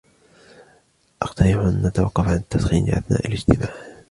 اقترحَ أن نتوقف عن التدخين أثناء الاجتماع.